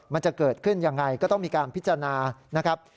มันจะเกิดขึ้นยังไงก็ต้องมีการพิจารณานะครับ